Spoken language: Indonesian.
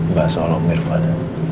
mbak soal om irfan